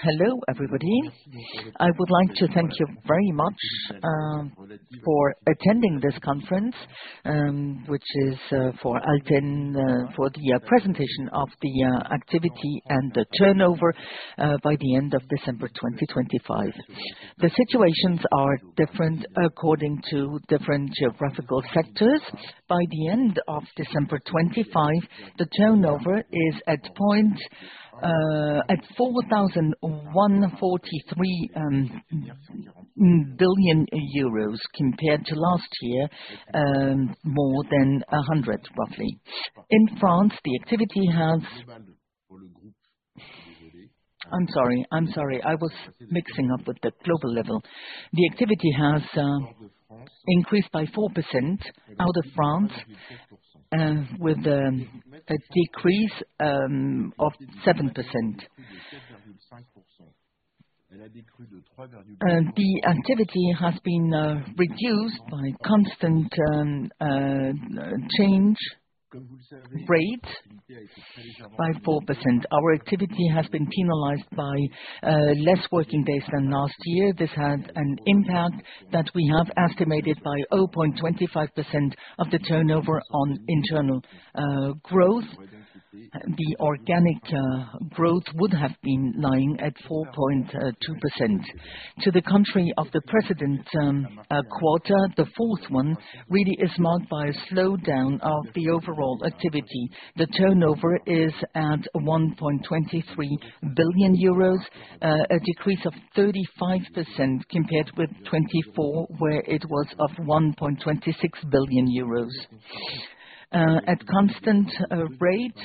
Hello, everybody. I would like to thank you very much for attending this conference, which is for ALTEN for the presentation of the activity and the turnover by the end of December 2025. The situations are different according to different geographical sectors. By the end of December 2025, the turnover is at 4.143 billion euros compared to last year, more than 100, roughly. In France, the activity has—I'm sorry, I'm sorry. I was mixing up with the global level. The activity has increased by 4% out of France with a decrease of 7%. The activity has been reduced by constant change rate by 4%. Our activity has been penalized by less working days than last year. This had an impact that we have estimated by 0.25% of the turnover on internal growth. The organic growth would have been lying at 4.2%. To the contrary of the precedent quarter, the fourth one really is marked by a slowdown of the overall activity. The turnover is at 1.23 billion euros, a decrease of 35% compared with 2024, where it was of 1.26 billion euros. At constant rate,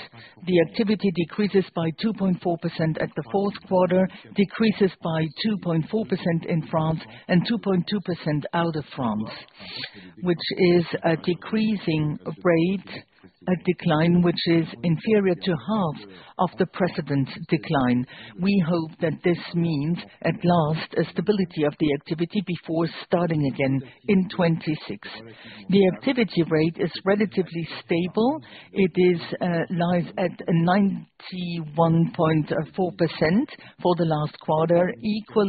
the activity decreases by 2.4% at the fourth quarter, decreases by 2.4% in France and 2.2% out of France, which is a decreasing rate, a decline which is inferior to half of the precedent decline. We hope that this means, at last, a stability of the activity before starting again in 2026. The activity rate is relatively stable. It lies at 91.4% for the last quarter, equal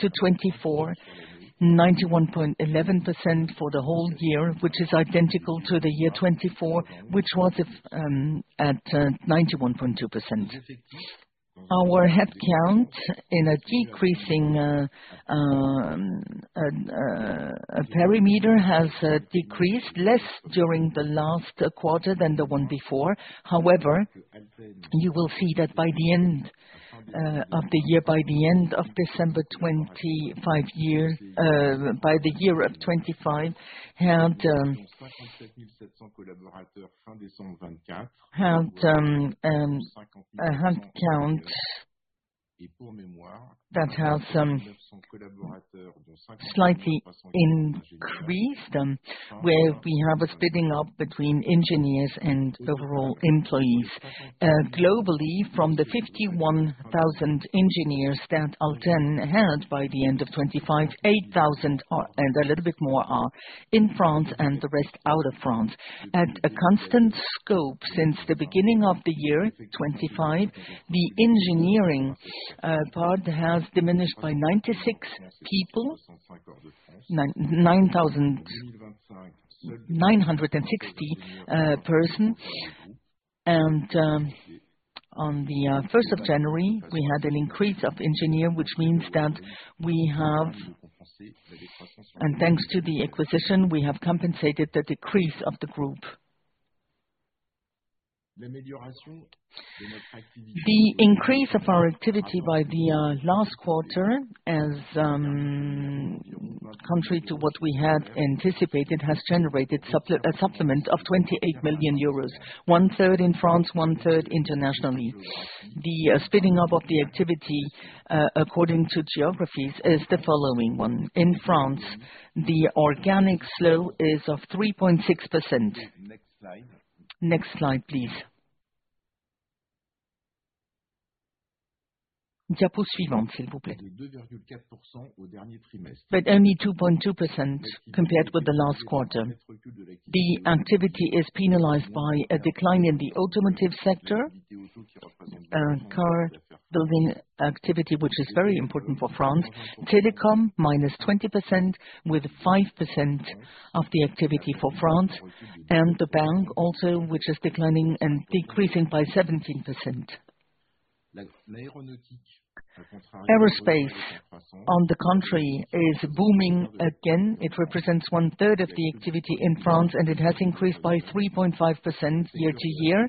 to 2024, 91.1% for the whole year, which is identical to the year 2024, which was at 91.2%. Our headcount in a decreasing perimeter has decreased less during the last quarter than the one before. However, you will see that by the end of the year, by the end of December 2025 year, by the year of 2025, had a headcount that has slightly increased, where we have a splitting up between engineers and overall employees. Globally, from the 51,000 engineers that ALTEN had by the end of 2025, 8,000 are, and a little bit more are in France and the rest out of France. At a constant scope since the beginning of the year 2025, the engineering part has diminished by 960 persons. On 1st of January, we had an increase of engineer, which means that we have... And thanks to the acquisition, we have compensated the decrease of the group. The increase of our activity in the last quarter, as contrary to what we had anticipated, has generated a supplement of 28 million euros, 1/3 in France, 1/3 internationally. The splitting up of the activity according to geographies is the following one: in France, the organic slowdown is of 3.6%. Next slide. Next slide, please. But only 2.2% compared with the last quarter. The activity is penalized by a decline in the automotive sector, car building activity, which is very important for France. Telecom, -20%, with 5% of the activity for France, and the bank also, which is declining and decreasing by 17%. Aerospace, on the contrary, is booming again. It represents 1/3 of the activity in France, and it has increased by 3.5% year-over-year.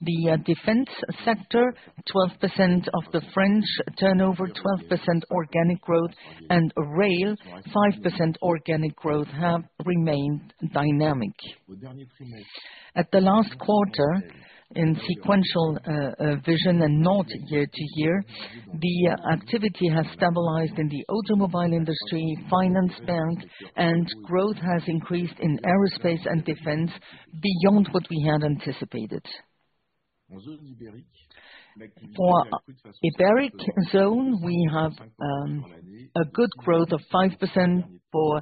The defense sector, 12% of the French turnover, 12% organic growth, and rail, 5% organic growth, have remained dynamic. At the last quarter, in sequential version and not year-over-year, the activity has stabilized in the automobile industry, finance bank, and growth has increased in aerospace and defense beyond what we had anticipated. For Iberic zone, we have a good growth of 5% for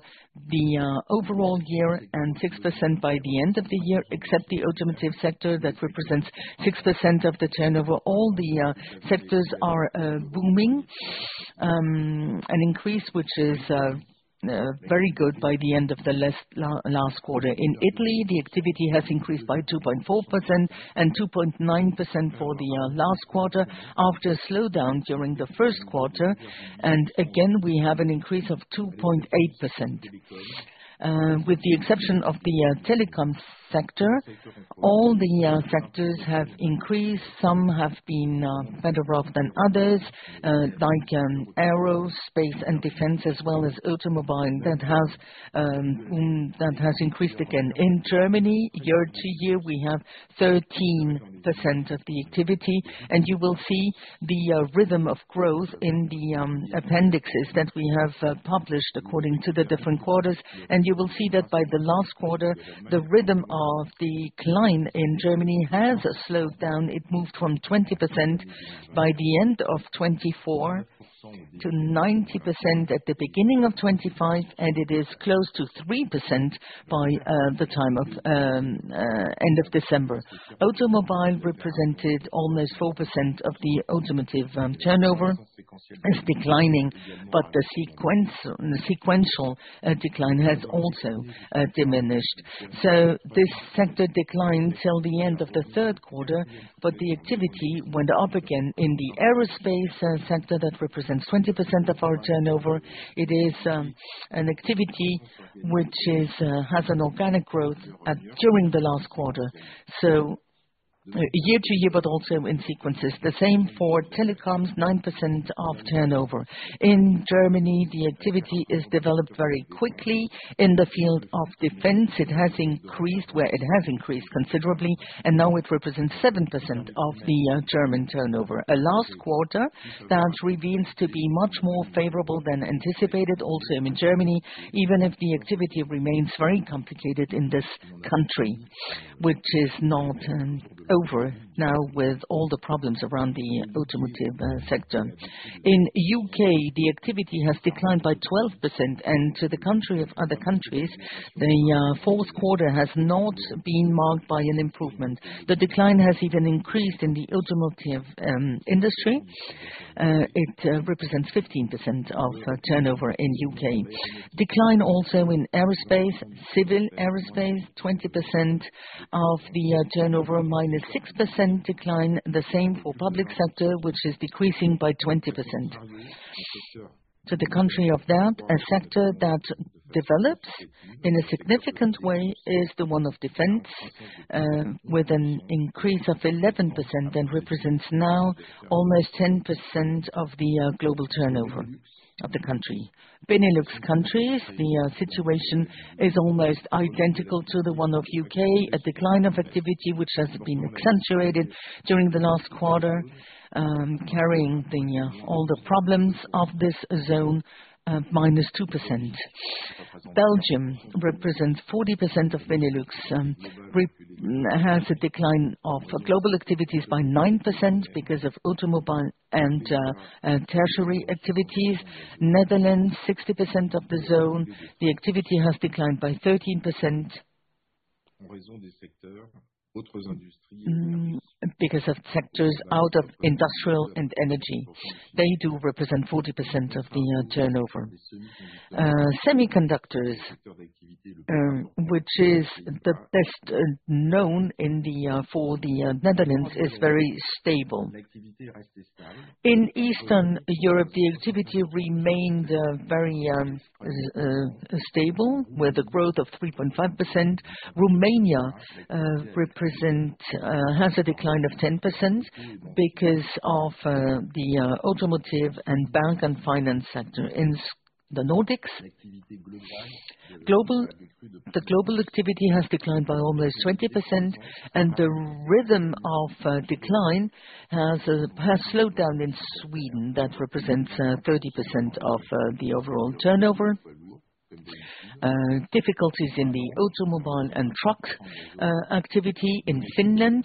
the overall year and 6% by the end of the year, except the automotive sector that represents 6% of the turnover. All the sectors are booming. An increase, which is very good by the end of the last quarter. In Italy, the activity has increased by 2.4% and 2.9% for the last quarter, after a slowdown during the first quarter. Again, we have an increase of 2.8%. With the exception of the telecom sector, all the sectors have increased. Some have been better off than others, like aerospace and defense, as well as automobile, that has increased again. In Germany, year-to-year, we have 13% of the activity, and you will see the rhythm of growth in the appendices that we have published according to the different quarters. You will see that by the last quarter, the rhythm of the decline in Germany has slowed down. It moved from 20% by the end of 2024, to 90% at the beginning of 2025, and it is close to 3% by the time of end of December. Automobile represented almost 4% of the automotive turnover. It's declining, but the sequential decline has also diminished. This sector declined till the end of the third quarter, but the activity went up again in the aerospace sector that represents 20% of our turnover. It is an activity which is has an organic growth during the last quarter, so year-over-year, but also in sequences. The same for telecoms, 9% of turnover. In Germany, the activity is developed very quickly. In the field of defense, it has increased, where it has increased considerably, and now it represents 7% of the German turnover. A last quarter that reveals to be much more favorable than anticipated, also in Germany, even if the activity remains very complicated in this country, which is not over now with all the problems around the automotive sector. In the U.K., the activity has declined by 12%, and to the contrary of other countries, the fourth quarter has not been marked by an improvement. The decline has even increased in the automotive industry. It represents 15% of turnover in the U.K. Decline also in aerospace, civil aerospace, 20% of the turnover, -6% decline. The same for public sector, which is decreasing by 20%. To the contrary of that, a sector that develops in a significant way is the one of defense with an increase of 11%, and represents now almost 10% of the global turnover of the country. Benelux countries, the situation is almost identical to the one of U.K., a decline of activity which has been accentuated during the last quarter, carrying all the problems of this zone, -2%. Belgium represents 40% of Benelux, has a decline of global activities by 9% because of automobile and tertiary activities. Netherlands, 60% of the zone, the activity has declined by 13%, because of sectors out of industrial and energy. They do represent 40% of the turnover. Semiconductors, which is the best known in the for the Netherlands, is very stable. In Eastern Europe, the activity remained very stable, with a growth of 3.5%. Romania has a decline of 10% because of the automotive and bank and finance sector. In the Nordics, the global activity has declined by almost 20%, and the rhythm of decline has slowed down in Sweden. That represents 30% of the overall turnover. Difficulties in the automobile and truck activity in Finland,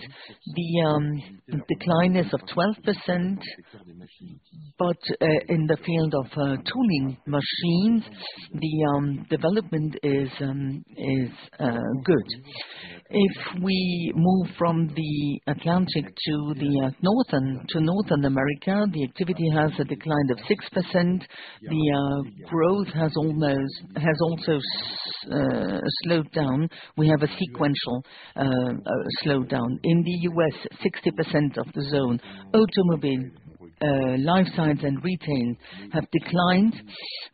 the decline is of 12%, but in the field of tooling machines, the development is good. If we move from the Atlantic to Northern America, the activity has a decline of 6%. The growth has almost, has also slowed down. We have a sequential slowdown. In the U.S., 60% of the zone, automobile, life science and retail have declined,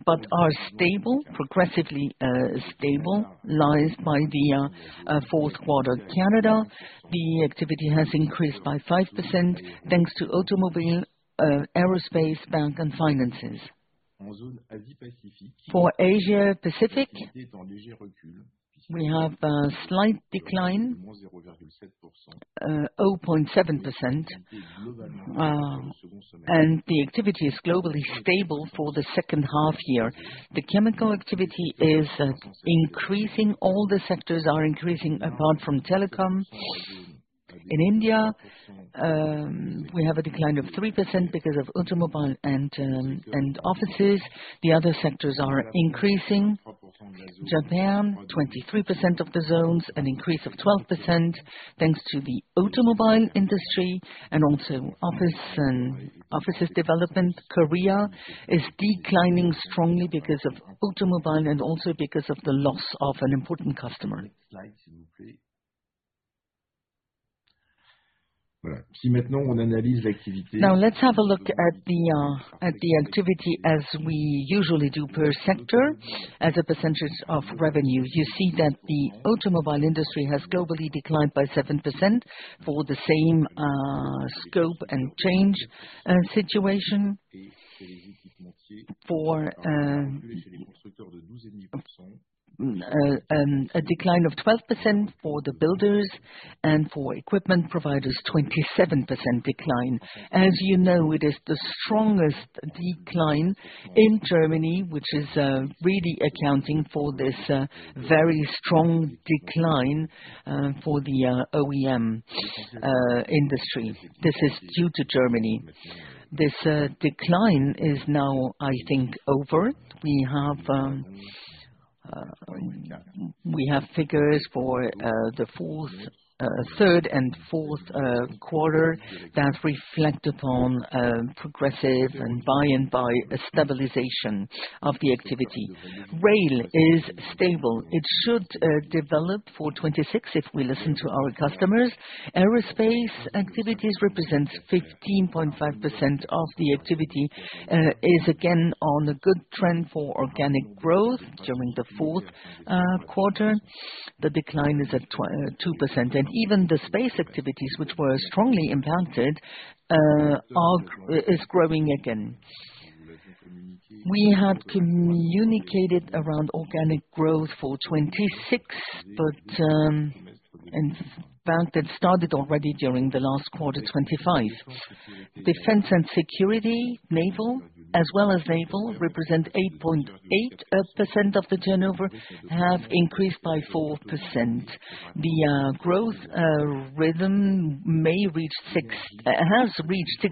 but are stable progressively, stabilizing by the fourth quarter. Canada, the activity has increased by 5%, thanks to automobile, aerospace, bank and finances. For Asia Pacific, we have a slight decline, 0.7%, and the activity is globally stable for the second half year. The chemical activity is increasing. All the sectors are increasing, apart from telecom. In India, we have a decline of 3% because of automobile and offices. The other sectors are increasing. Japan, 23% of the zones, an increase of 12%, thanks to the automobile industry and also office and offices development. Korea is declining strongly because of automobile and also because of the loss of an important customer. Now, let's have a look at the activity as we usually do per sector as a percentage of revenue. You see that the automobile industry has globally declined by 7% for the same scope and change situation. For a decline of 12% for the builders and for equipment providers, 27% decline. As you know, it is the strongest decline in Germany, which is really accounting for this very strong decline for the OEM industry. This is due to Germany. This decline is now, I think, over. We have figures for the third and fourth quarter, that reflect upon progressive and by and by, a stabilization of the activity. Rail is stable. It should develop for 2026, if we listen to our customers. Aerospace activities represents 15.5% of the activity, is again on a good trend for organic growth during the fourth quarter. The decline is at 2%, and even the space activities, which were strongly impacted, is growing again. We had communicated around organic growth for 2026, but in fact that started already during the last quarter, 2025. Defense and security, naval, as well as naval, represent 8.8% of the turnover, have increased by 4%. The growth rhythm has reached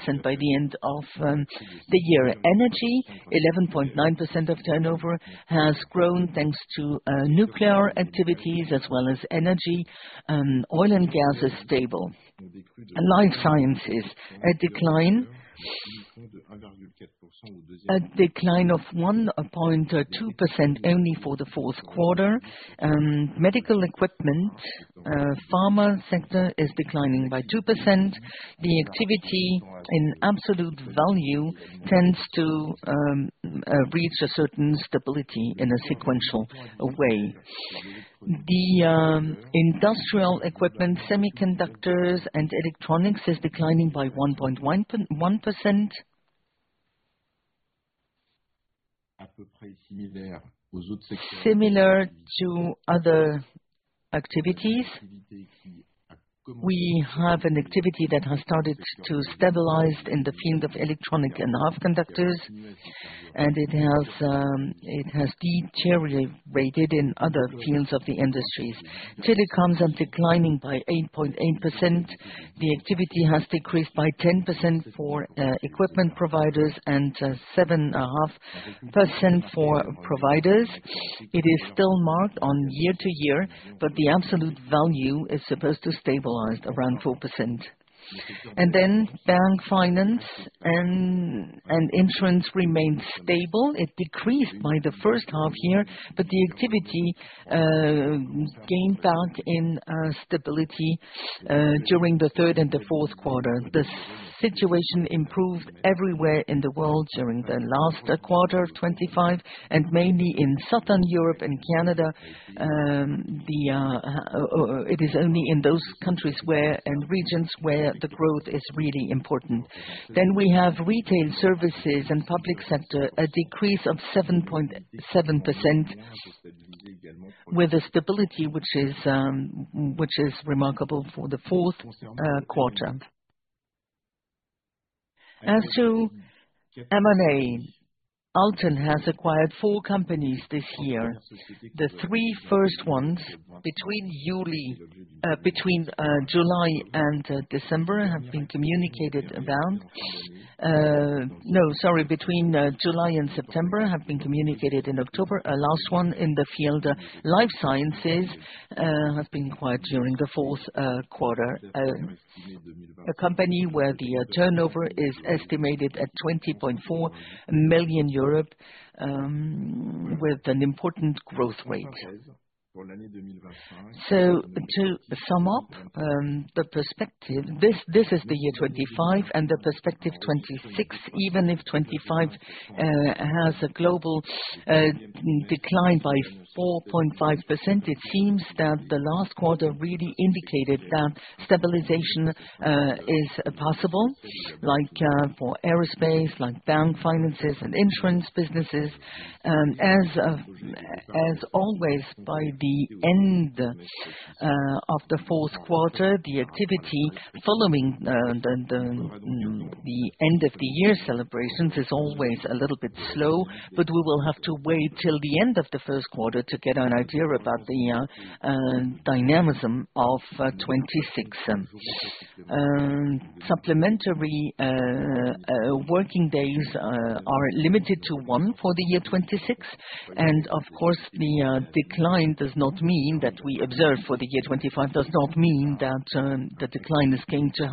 16% by the end of the year. Energy, 11.9% of turnover, has grown thanks to nuclear activities as well as energy, and oil and gas is stable. Life sciences, a decline, a decline of 1.2% only for the fourth quarter. Medical equipment, pharma sector is declining by 2%. The activity in absolute value tends to reach a certain stability in a sequential way. Industrial equipment, semiconductors, and electronics, is declining by 1.1%. Similar to other activities, we have an activity that has started to stabilize in the field of electronics and semiconductors, and it has deteriorated in other fields of the industries. Telecoms are declining by 8.8%. The activity has decreased by 10% for equipment providers, and 7.5% for providers. It is still marked on year-to-year, but the absolute value is supposed to stabilize around 4%. And then bank finance and insurance remains stable. It decreased by the first half year, but the activity gained back in stability during the third and the fourth quarter. The situation improved everywhere in the world during the last quarter of 2025, and mainly in Southern Europe and Canada. It is only in those countries where, and regions where the growth is really important. Then we have retail services and public sector, a decrease of 7.7%, with a stability, which is remarkable for the fourth quarter. As to M&A, ALTEN has acquired four companies this year. The three first ones, between July and December, have been communicated about. No, sorry, between July and September, have been communicated in October. A last one in the field, life sciences, has been acquired during the fourth quarter. A company where the turnover is estimated at 20.4 million, with an important growth rate. So to sum up, the perspective, this, this is the year 2025 and the perspective 2026. Even if 2025 has a global decline by 4.5%, it seems that the last quarter really indicated that stabilization is possible, like, for aerospace, like bank finances and insurance businesses. As always, by the end of the fourth quarter, the activity following the end of the year celebrations is always a little bit slow, but we will have to wait till the end of the first quarter to get an idea about the dynamism of 2026. Supplementary working days are limited to one for the year 2026. Of course, the decline does not mean that we observe for the year 2025, does not mean that the decline is going to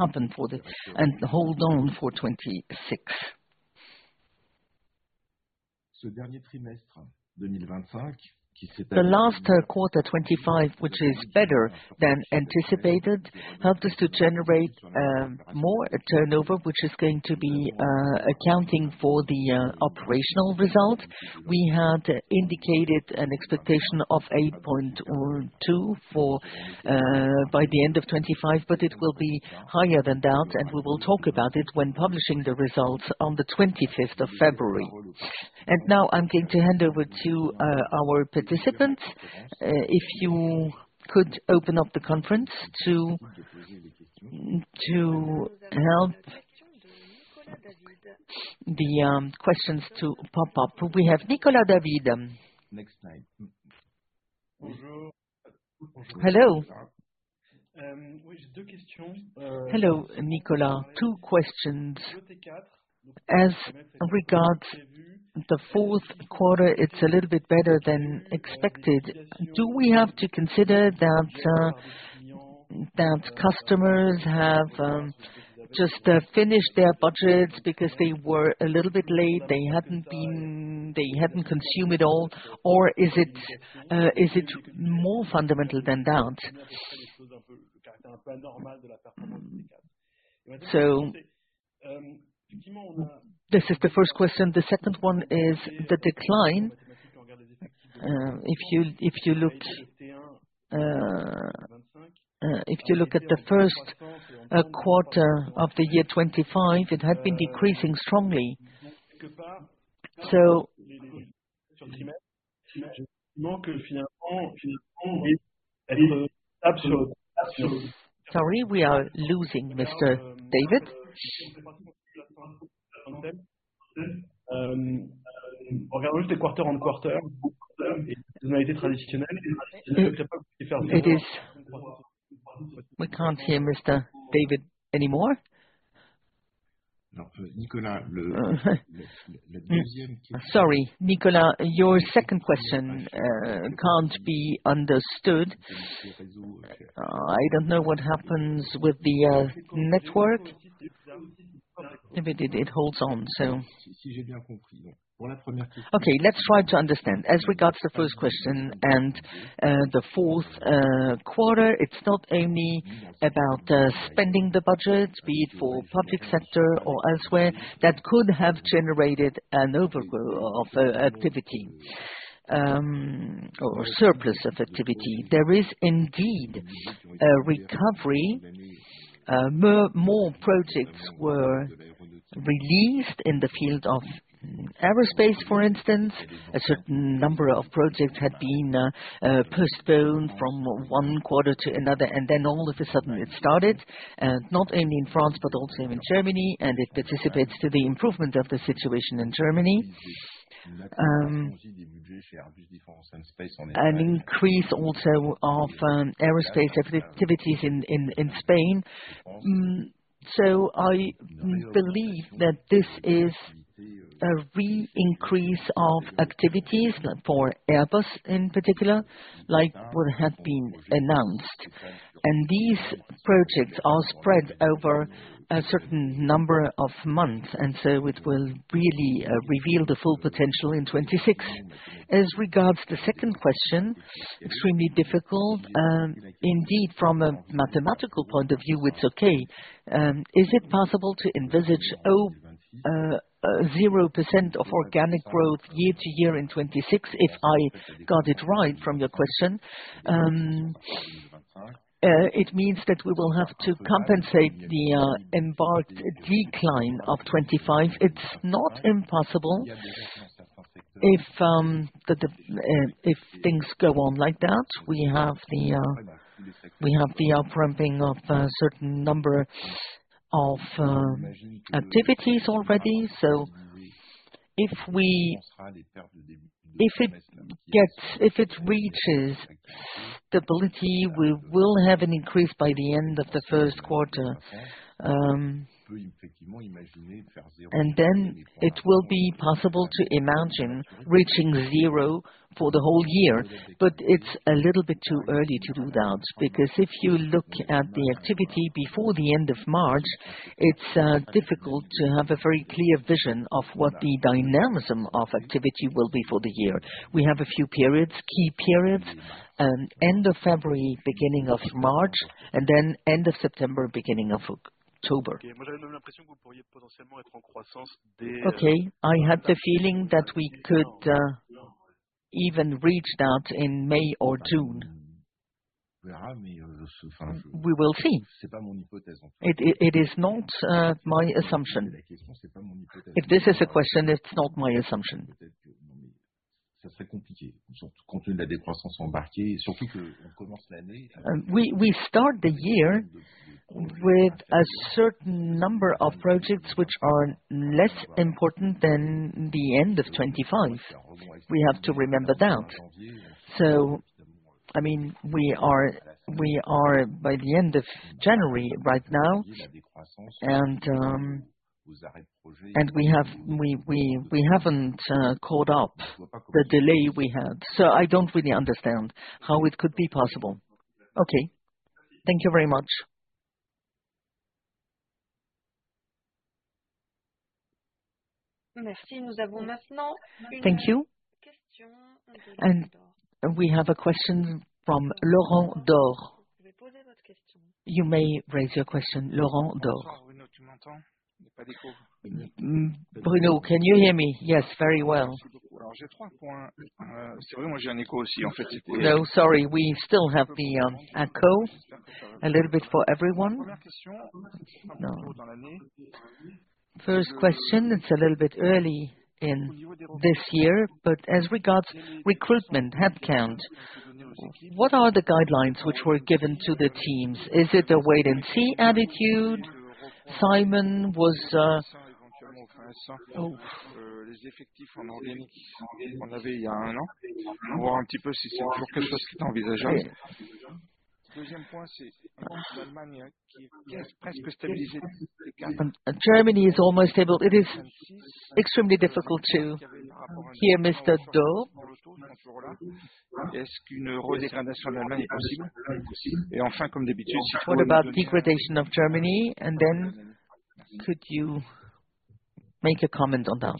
happen for 2026 and hold on for 2026. The last quarter 2025, which is better than anticipated, helped us to generate more turnover, which is going to be accounting for the operational result. We had indicated an expectation of 8.2 for by the end of 2025, but it will be higher than that, and we will talk about it when publishing the results on the 25th of February. Now I'm going to hand over to our participants. If you could open up the conference to help the questions to pop up. We have Nicolas David. Next slide. Hello? Um, Hello, Nicolas. Two questions. As regards the fourth quarter, it's a little bit better than expected. Do we have to consider that customers have just finished their budgets because they were a little bit late, they hadn't been—they hadn't consumed it all? Or is it more fundamental than that? So this is the first question. The second one is the decline. If you look at the first quarter of the year 2025, it had been decreasing strongly. So—Sorry, we are losing Mr. David. Quarter-over-quarter. It is... We can't hear Mr. David anymore. Nicolas, le- Sorry, Nicolas, your second question can't be understood. I don't know what happens with the network. Maybe it holds on, so. Okay, let's try to understand. As regards the first question and the fourth quarter, it's not only about spending the budget, be it for public sector or elsewhere, that could have generated an overgrowth of activity or surplus of activity. There is indeed a recovery. More projects were released in the field of aerospace, for instance. A certain number of projects had been postponed from one quarter to another, and then all of a sudden, it started not only in France, but also in Germany, and it participates to the improvement of the situation in Germany. An increase also of aerospace activities in Spain. So I believe that this is a re-increase of activities for Airbus in particular, like what had been announced. And these projects are spread over a certain number of months, and so it will really reveal the full potential in 2026. As regards the second question, extremely difficult. Indeed, from a mathematical point of view, it's okay. Is it possible to envisage 0% organic growth year-over-year in 2026, if I got it right from your question? It means that we will have to compensate the embedded decline of 2025. It's not impossible if things go on like that. We have the up-ramping of a certain number of activities already. So if it gets, if it reaches stability, we will have an increase by the end of the first quarter. And then it will be possible to imagine reaching zero for the whole year, but it's a little bit too early to do that, because if you look at the activity before the end of March, it's difficult to have a very clear vision of what the dynamism of activity will be for the year. We have a few periods, key periods, end of February, beginning of March, and then end of September, beginning of October. Okay. I had the feeling that we could even reach that in May or June. We will see. It is not my assumption. If this is a question, it's not my assumption. We start the year with a certain number of projects which are less important than the end of 2025. We have to remember that. I mean, we are by the end of January right now, and we haven't caught up the delay we had. So I don't really understand how it could be possible. Okay, thank you very much. Thank you. And we have a question from Laurent Daure. You may raise your question, Laurent Daure. Bruno, can you hear me? Yes, very well. No, sorry, we still have the echo a little bit for everyone. First question, it's a little bit early in this year, but as regards recruitment headcount, what are the guidelines which were given to the teams? Is it a wait-and-see attitude? Simon was, Oh. And Germany is almost able... It is extremely difficult to hear Mr. Daure. What about degradation of Germany, and then could you make a comment on that?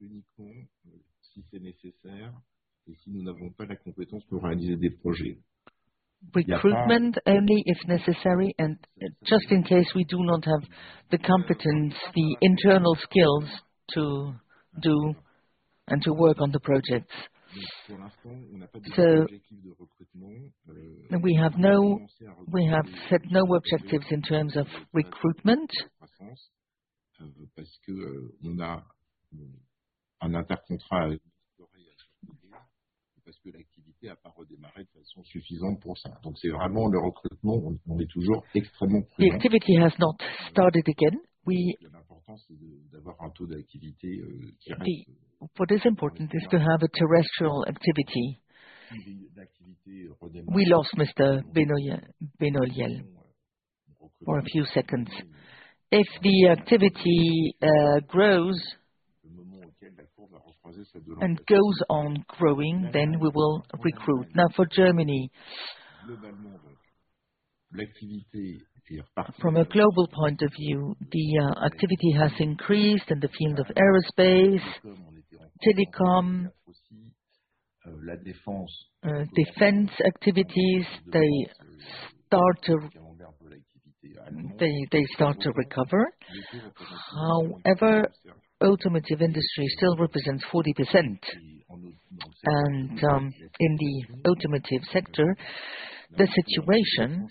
Recruitment only if necessary, and just in case we do not have the competence, the internal skills to do and to work on the projects. We have set no objectives in terms of recruitment. The activity has not started again. What is important is to have a terrestrial activity. We lost Mr. Benoliel for a few seconds. If the activity grows and goes on growing, then we will recruit. Now, for Germany. From a global point of view, activity has increased in the field of aerospace, telecom, defense activities; they start to recover. However, automotive industry still represents 40%. In the automotive sector, the situation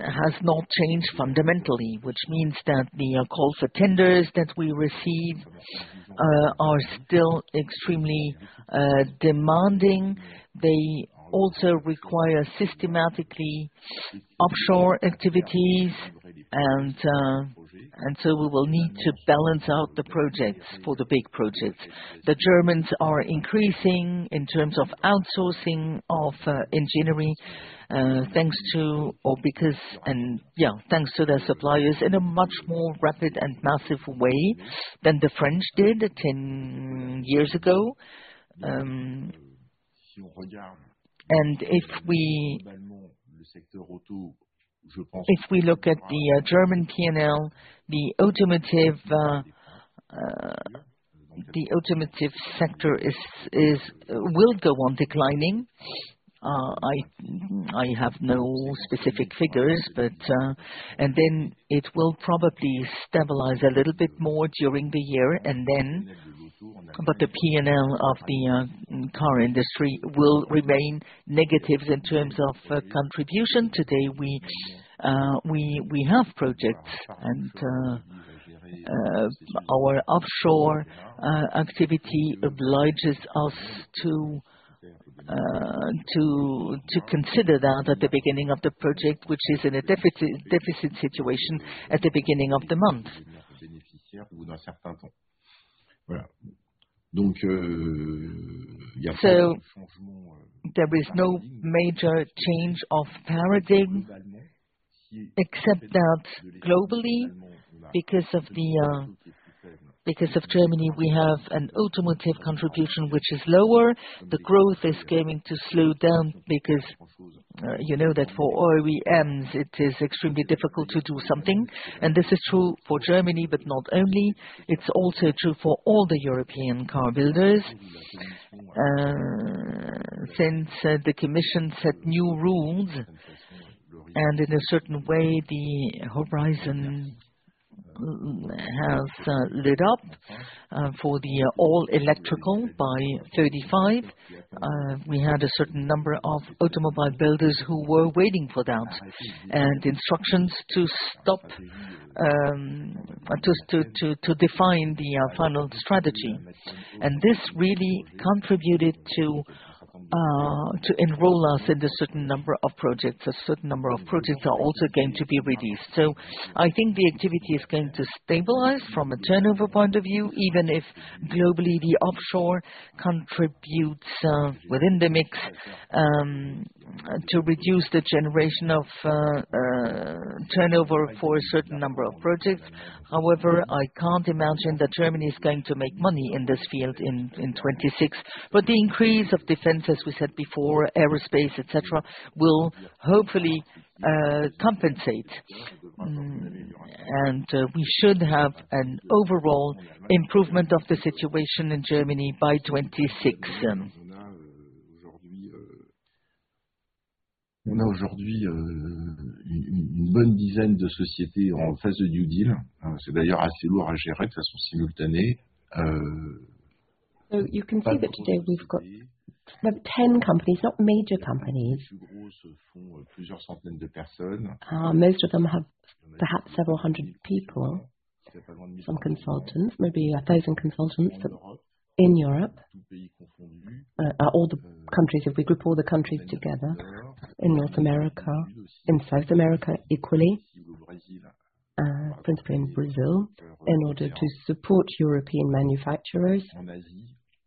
has not changed fundamentally, which means that the call for tenders that we receive are still extremely demanding. They also require systematically offshore activities, and so we will need to balance out the projects for the big projects. The Germans are increasing in terms of outsourcing of engineering thanks to their suppliers in a much more rapid and massive way than the French did 10 years ago. And if we look at the German P&L, the automotive sector will go on declining. I have no specific figures, but... And then it will probably stabilize a little bit more during the year, and then- but the P&L of the car industry will remain negative in terms of contribution. Today, we have projects, and our offshore activity obliges us to consider that at the beginning of the project, which is in a deficit situation at the beginning of the month. So there is no major change of paradigm, except that globally, because of Germany, we have an automotive contribution, which is lower. The growth is going to slow down because, you know that for OEMs, it is extremely difficult to do something. And this is true for Germany, but not only, it's also true for all the European car builders. Since the commission set new rules, and in a certain way, the horizon has lit up for the all-electric by 2035. We had a certain number of automobile builders who were waiting for that, and instructions to stop just to define the final strategy. And this really contributed to- ... to enroll us in a certain number of projects, a certain number of projects are also going to be reduced. So I think the activity is going to stabilize from a turnover point of view, even if globally, the offshore contributes, within the mix, to reduce the generation of, turnover for a certain number of projects. However, I can't imagine that Germany is going to make money in this field in 2026. But the increase of defense, as we said before, aerospace, et cetera, will hopefully, compensate. And, we should have an overall improvement of the situation in Germany by 2026. So you can see that today we've got about 10 companies, not major companies. Most of them have perhaps several hundred people, some consultants, maybe 1,000 consultants in Europe. All the countries, if we group all the countries together in North America, in South America, equally, principally in Brazil, in order to support European manufacturers.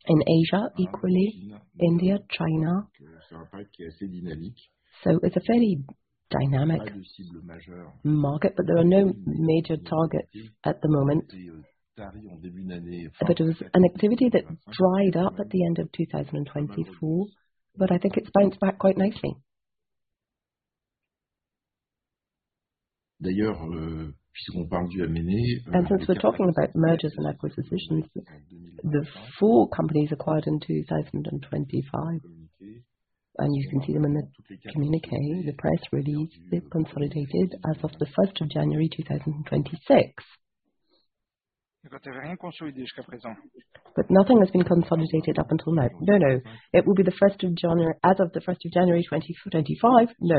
In Asia, equally, India, China. So it's a fairly dynamic market, but there are no major targets at the moment. But it was an activity that dried up at the end of 2024, but I think it bounced back quite nicely. And since we're talking about mergers and acquisitions, the four companies acquired in 2025, and you can see them in the communiqué, the press release, they consolidated as of 1st of January 2026. But nothing has been consolidated up until now. No, no, it will be the 1st of January, as of 1st of January 2025, no.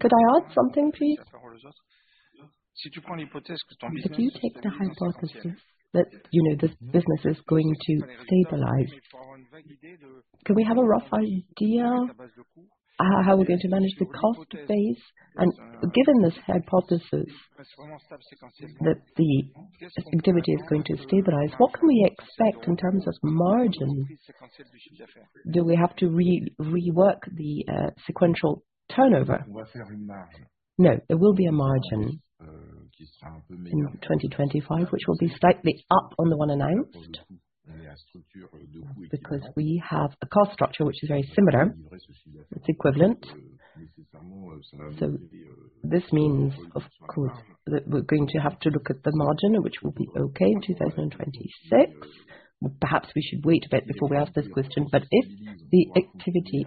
Could I add something, please? If you take the hypothesis that, you know, this business is going to stabilize, can we have a rough idea how we're going to manage the cost base? And given this hypothesis that the activity is going to stabilize, what can we expect in terms of margin? Do we have to rework the sequential turnover? No, there will be a margin in 2025, which will be slightly up on the one announced, because we have a cost structure which is very similar. It's equivalent. So this means, of course, that we're going to have to look at the margin, which will be okay in 2026. Perhaps we should wait a bit before we ask this question, but if the activity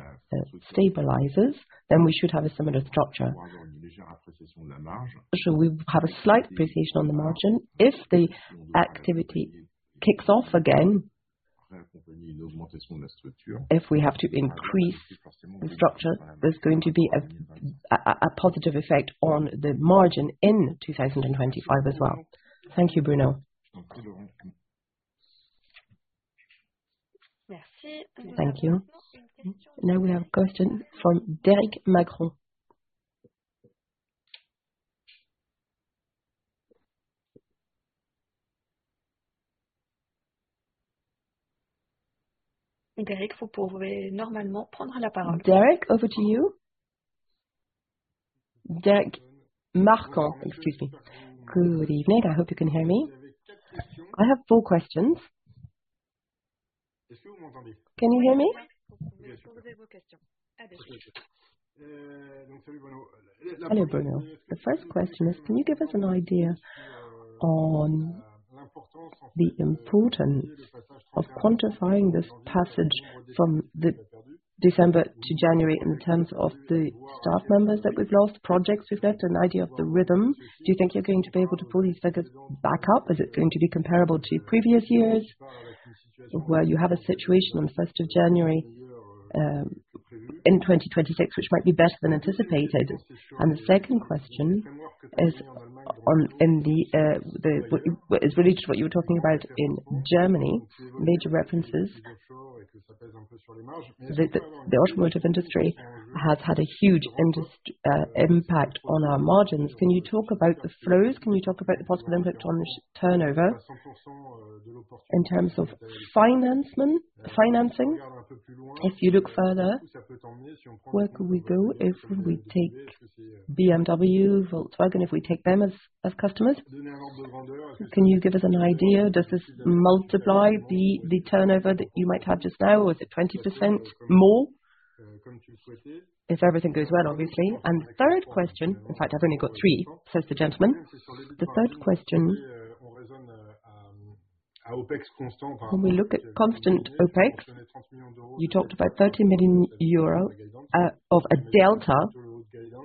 stabilizes, then we should have a similar structure. So we have a slight appreciation on the margin. If the activity kicks off again, if we have to increase the structure, there's going to be a positive effect on the margin in 2025 as well. Thank you, Bruno. Thank you. Now we have a question from Derric Marcon. Derric,..., normally. Derric, over to you. Derric Marcon, excuse me. Good evening. I hope you can hear me. I have four questions. Can you hear me? Hello, Bruno. The first question is: Can you give us an idea on the importance of quantifying this passage from the December to January, in terms of the staff members that we've lost, projects we've left, an idea of the rhythm? Do you think you're going to be able to pull these figures back up? Is it going to be comparable to previous years, where you have a situation on the 1st of January in 2026, which might be better than anticipated? And the second question is on what is related to what you were talking about in Germany, major references. The automotive industry has had a huge industrial impact on our margins. Can you talk about the flows? Can you talk about the possible impact on this turnover in terms of financing? If you look further, where could we go if we take BMW, Volkswagen, if we take them as, as customers? Can you give us an idea, does this multiply the, the turnover that you might have just now, or is it 20% more? If everything goes well, obviously. And third question... In fact, I've only got three, says the gentleman. The third question, when we look at constant OpEx, you talked about 30 million euro of a delta,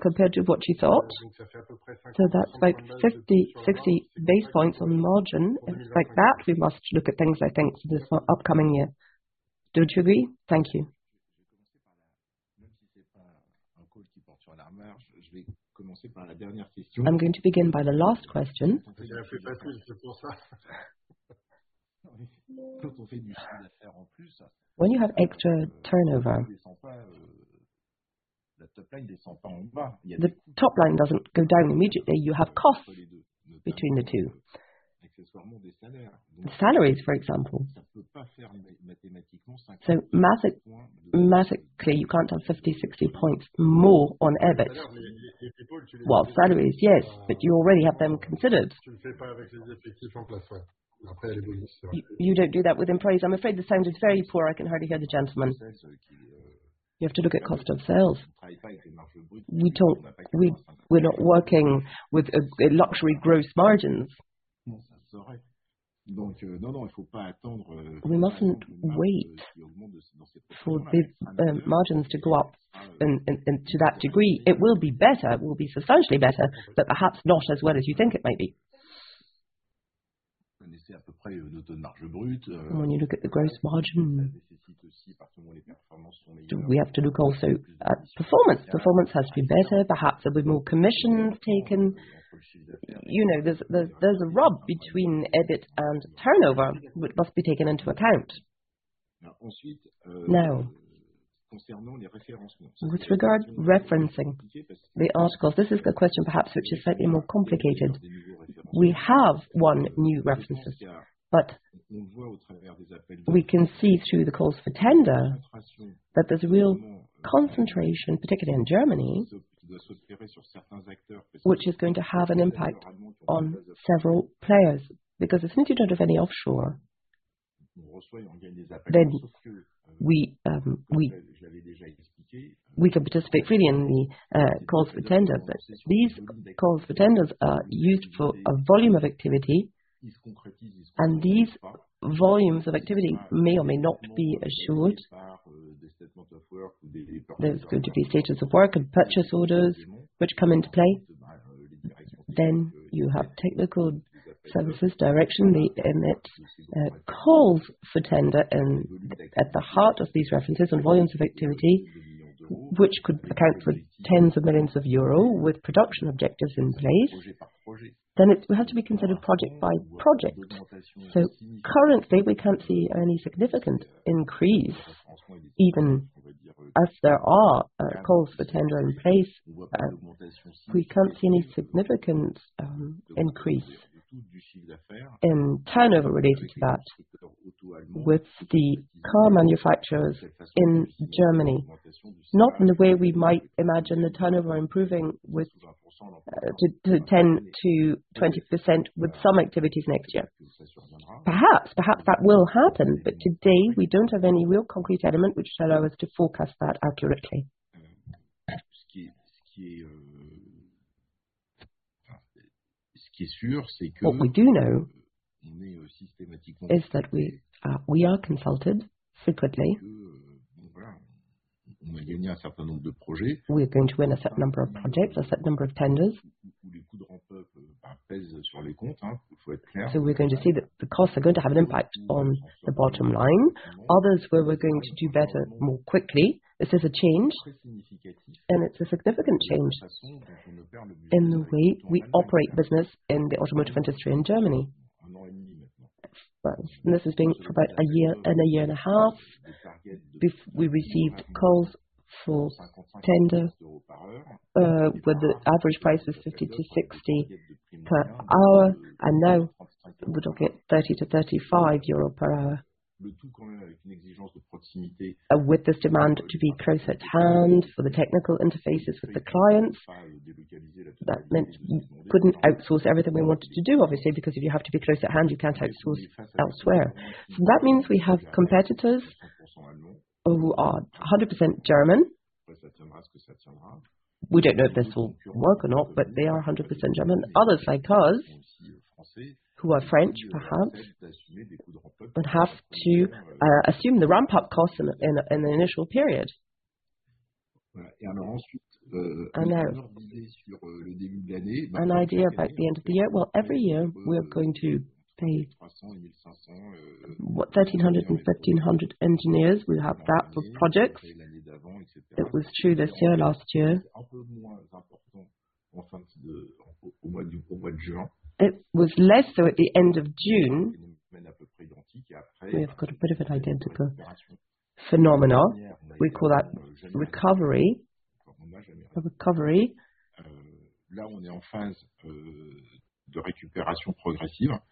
compared to what you thought. So that's like 50-60 basis points on margin. It's like that, we must look at things, I think, this upcoming year. Don't you agree? Thank you. ...If it's not a call that carries on the margin, je vais commencer par la dernière question. I'm going to begin by the last question. When you have extra turnover, the top line doesn't go down immediately. You have costs between the two. The salaries, for example. So mathematically, you can't have 50, 60 points more on EBIT. Well, salaries, yes, but you already have them considered. You don't do that with employees. I'm afraid the sound is very poor, I can hardly hear the gentleman. You have to look at cost of sales. We don't, we're not working with a luxury gross margins. No, uh. We mustn't wait for these margins to go up and to that degree. It will be better, it will be substantially better, but perhaps not as well as you think it may be. When you look at the gross margin- When you look at the gross margin, we have to look also at performance. Performance has to be better, perhaps a bit more commission taken. You know, there's a rub between EBIT and turnover, which must be taken into account. Now, with regard to referencing the articles, this is a question perhaps which is slightly more complicated. We have one new references, but we can see through the calls for tender, that there's a real concentration, particularly in Germany, which is going to have an impact on several players. Because since you don't have any offshore, then we can participate freely in the calls for tenders. But these calls for tenders are used for a volume of activity, and these volumes of activity may or may not be assured. There's going to be status of work and purchase orders which come into play. Then you have technical services direction, the, and it calls for tender, and at the heart of these references and volumes of activity, which could account for tens of millions of euro with production objectives in place, then it will have to be considered project by project. So currently, we can't see any significant increase, even as there are calls for tender in place, we can't see any significant increase in turnover related to that with the car manufacturers in Germany. Not in the way we might imagine the turnover improving with to 10%-20% with some activities next year. Perhaps that will happen, but today, we don't have any real concrete element which allow us to forecast that accurately. Uh, ski, ski, uh. What we do know is that we, we are consulted secretly. We are going to win a certain number of projects, a certain number of tenders. So we're going to see that the costs are going to have an impact on the bottom line. Others, where we're going to do better more quickly. This is a change, and it's a significant change in the way we operate business in the automotive industry in Germany. But this has been for about a year and a year and a half, before we received calls for tender, with the average price of 50-60 per hour, and now we're looking at 30-35 euro per hour. With this demand to be close at hand for the technical interfaces with the clients, that meant we couldn't outsource everything we wanted to do, obviously, because if you have to be close at hand, you can't outsource elsewhere. So that means we have competitors who are 100% German. We don't know if this will work or not, but they are 100% German. Others, like us, who are French, perhaps, and have to assume the ramp-up costs in an initial period. And, ensuite. An idea about the end of the year. Well, every year we're going to pay what, 1,300 and 1,500 engineers will have that for projects. It was true this year, last year. It was less so at the end of June. We've got a bit of an identical phenomena. We call that recovery. A recovery. Uh, recovery.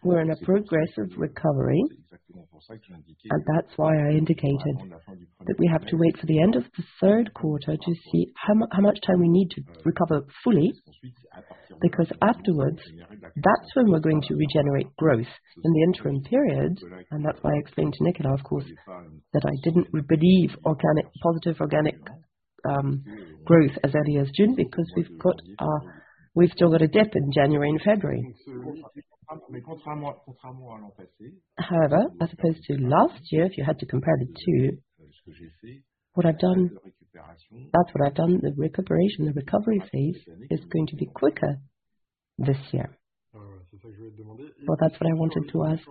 We're in a progressive recovery, and that's why I indicated that we have to wait for the end of the third quarter to see how much time we need to recover fully. Because afterwards, that's when we're going to regenerate growth. In the interim period, and that's why I explained to Nicolas, of course, that I didn't believe positive organic growth as early as June, because we've got, we've still got a dip in January and February. However, as opposed to last year, if you had to compare the two, what I've done, that's what I've done, the recuperation, the recovery phase is going to be quicker this year.... Well, that's what I wanted to ask.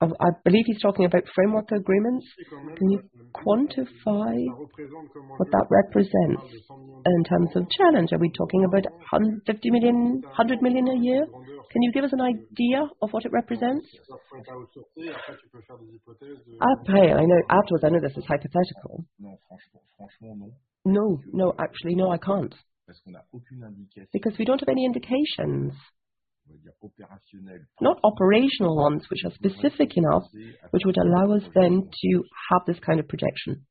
I believe he's talking about framework agreements. Can you quantify what that represents in terms of challenge? Are we talking about 50 million, 100 million a year? Can you give us an idea of what it represents? I know afterwards, I know this is hypothetical. No, no, actually, no, I can't. Because we don't have any indications, not operational ones, which are specific enough, which would allow us then to have this kind of projection.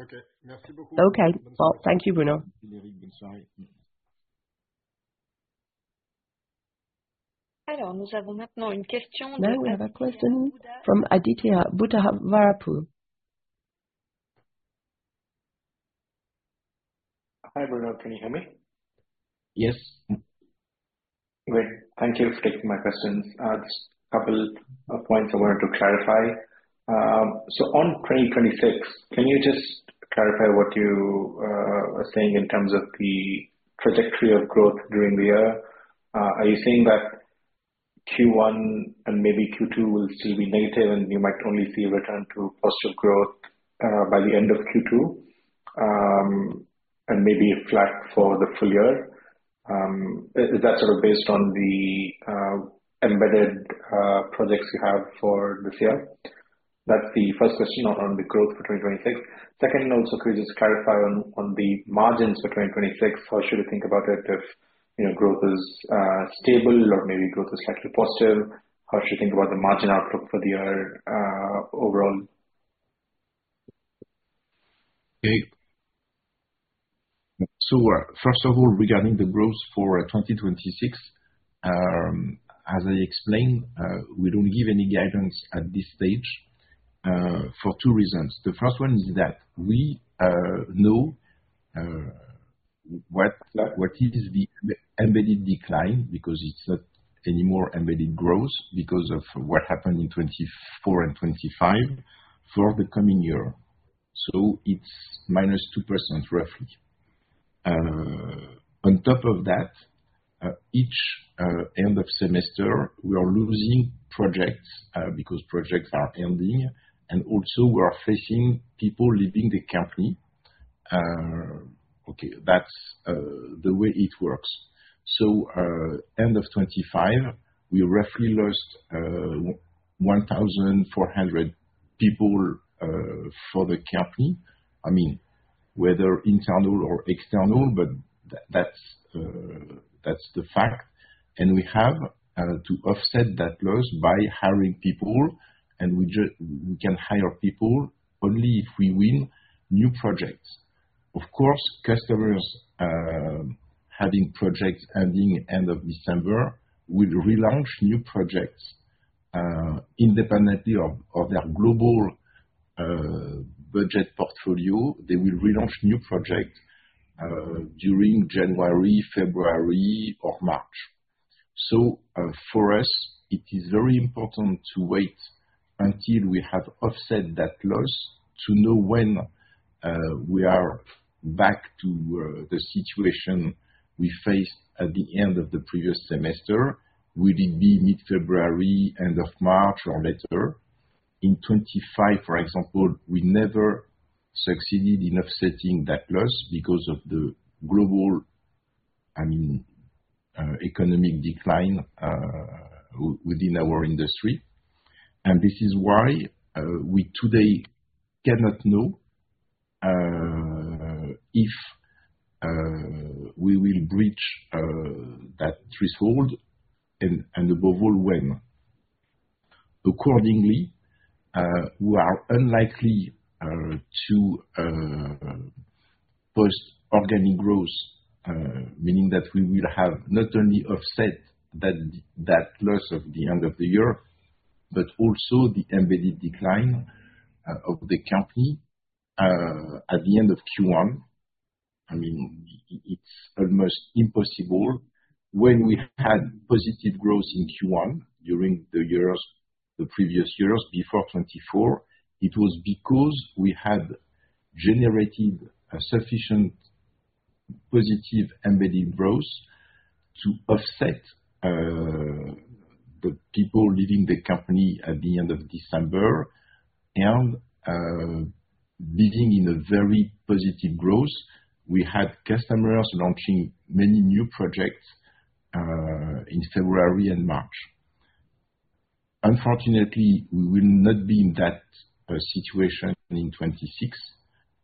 Okay. Well, thank you, Bruno. Now we have a question from Aditya Buddhavarapu. Hi, Bruno. Can you hear me? Yes. Great, thank you for taking my questions. Just couple of points I wanted to clarify. So on 2026, can you just clarify what you are saying in terms of the trajectory of growth during the year? Are you saying that Q1 and maybe Q2 will still be negative, and you might only see a return to positive growth by the end of Q2, and maybe flat for the full year? Is that sort of based on the embedded projects you have for this year? That's the first question on the growth for 2026. Second, also could you just clarify on the margins for 2026, how should we think about it if, you know, growth is stable or maybe growth is slightly positive? How should you think about the margin outlook for the year, overall? Okay. So, first of all, regarding the growth for 2026, as I explained, we don't give any guidance at this stage for two reasons. The first one is that we know what the embedded decline is, because it's not any more embedded growth because of what happened in 2024 and 2025 for the coming year. So it's -2%, roughly. On top of that, each end of semester, we are losing projects because projects are ending, and also we are facing people leaving the company. Okay, that's the way it works. So, end of 2025, we roughly lost 1,400 people for the company. I mean, whether internal or external, but that's the fact. And we have to offset that loss by hiring people, and we can hire people only if we win new projects. Of course, customers having projects ending end of December, will relaunch new projects independently of their global budget portfolio. They will relaunch new projects during January, February or March. So, for us, it is very important to wait until we have offset that loss to know when we are back to the situation we faced at the end of the previous semester. Will it be mid-February, end of March, or later? In 2025, for example, we never succeeded in offsetting that loss because of the global, I mean, economic decline within our industry. This is why we today cannot know if we will breach that threshold, and above all, when. Accordingly, we are unlikely to post organic growth, meaning that we will have not only offset that loss of the end of the year, but also the embedded decline of the company at the end of Q1. I mean, it's almost impossible. When we had positive growth in Q1 during the years, the previous years, before 2024, it was because we had generated a sufficient positive embedded growth to offset the people leaving the company at the end of December. And beginning in a very positive growth, we had customers launching many new projects in February and March. Unfortunately, we will not be in that situation in 2026,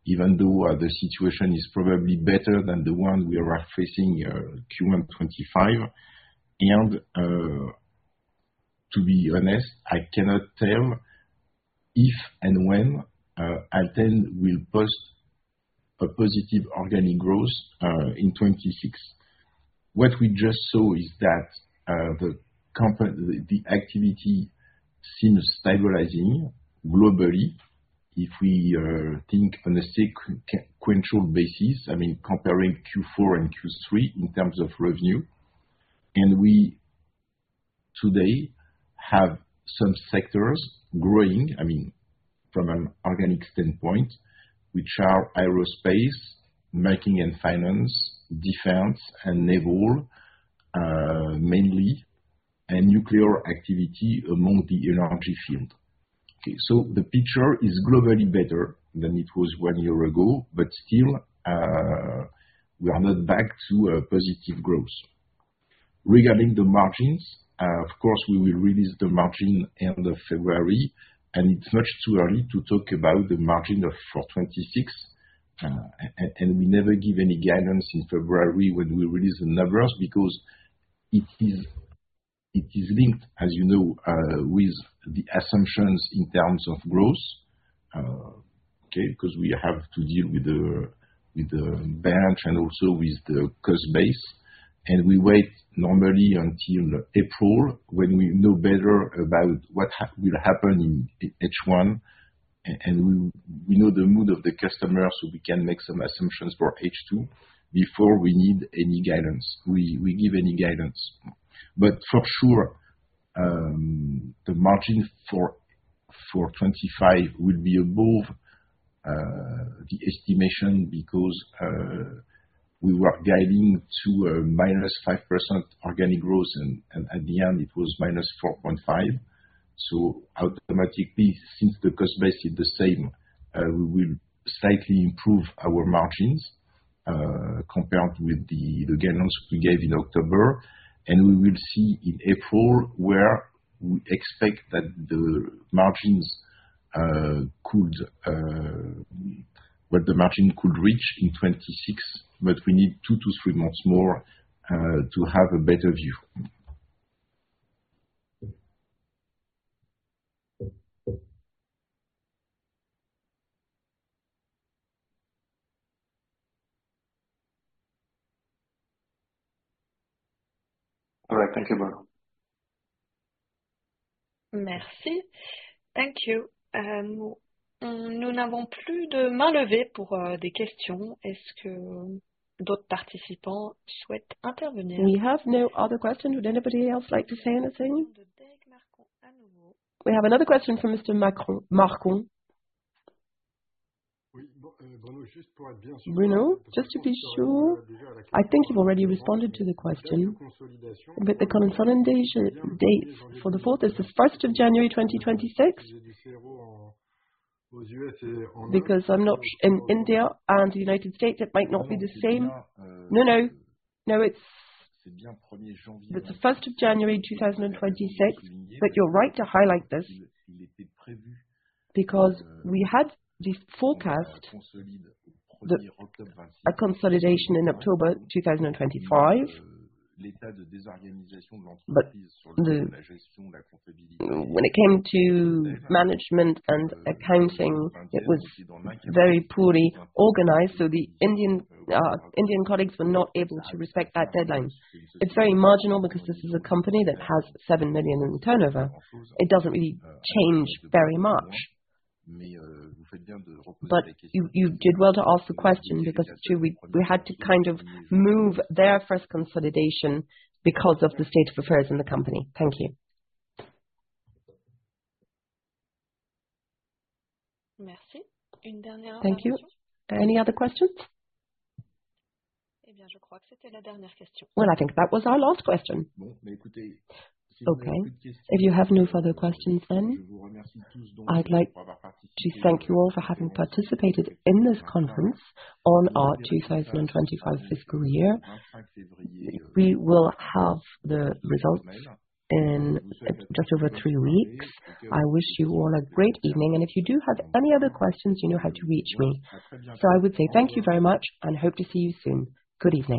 even though the situation is probably better than the one we were facing Q1 2025. To be honest, I cannot tell if and when ALTEN will post a positive organic growth in 2026. What we just saw is that the activity seems stabilizing globally. If we think on a sequential basis, I mean, comparing Q4 and Q3 in terms of revenue, and today have some sectors growing, I mean, from an organic standpoint, which are aerospace, manufacturing and finance, defense and naval, mainly, and nuclear activity among the energy field. Okay, so the picture is globally better than it was one year ago, but still, we are not back to a positive growth. Regarding the margins, of course, we will release the margin end of February, and it's much too early to talk about the margin for 2026. And we never give any guidance in February when we release the numbers, because it is linked, as you know, with the assumptions in terms of growth. Okay, because we have to deal with the bank and also with the cost base. And we wait normally until April, when we know better about what will happen in H1, and we know the mood of the customer, so we can make some assumptions for H2 before we give any guidance. But for sure, the margin for 2025 will be above the estimation because we were guiding to a -5% organic growth and at the end it was -4.5%. So automatically, since the cost base is the same, we will slightly improve our margins compared with the guidance we gave in October. And we will see in April where we expect that the margins could, what the margin could reach in 2026, but we need two to three months more to have a better view. All right, thank you very much. Merci. Thank you. We have no other questions. Would anybody else like to say anything? We have another question from Mr. Marcon. Bruno, just to be sure, I think you've already responded to the question, but the consolidation date for the fourth is the 1st of January 2026? Because I'm not in India and United States, it might not be the same. No, no. No, it's the 1st of January 2026. But you're right to highlight this, because we had this forecast that a consolidation in October 2025. But when it came to management and accounting, it was very poorly organized, so the Indian colleagues were not able to respect that deadline. It's very marginal because this is a company that has 7 million in turnover. It doesn't really change very much. But you, you did well to ask the question, because too, we, we had to kind of move their first consolidation because of the state of affairs in the company. Thank you. Merci. Thank you. Any other questions? Well, I think that was our last question. Okay. If you have no further questions then, I'd like to thank you all for having participated in this conference on our 2025 fiscal year. We will have the results in just over three weeks. I wish you all a great evening, and if you do have any other questions, you know how to reach me. So I would say thank you very much, and hope to see you soon. Good evening.